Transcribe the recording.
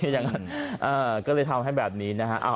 อย่างนั้นก็เลยทำให้แบบนี้นะฮะ